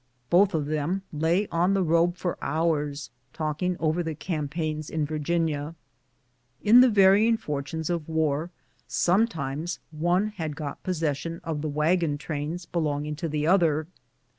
Both of them lay on the robe for hours talking over the campaigns in Virginia. In the varying fortunes of war, sometimes one had got posses sion of the wagon train belonging to the other.